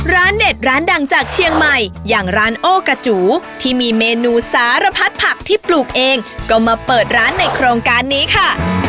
เด็ดร้านดังจากเชียงใหม่อย่างร้านโอกาจูที่มีเมนูสารพัดผักที่ปลูกเองก็มาเปิดร้านในโครงการนี้ค่ะ